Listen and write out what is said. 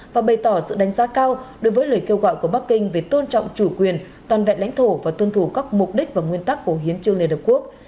và bày tỏ sự đánh giá cao đối với lời kêu gọi của bắc kinh về tôn trọng chủ quyền toàn vẹn lãnh thổ và tuân thủ các mục đích và nguyên tắc của hiến trương liên hợp quốc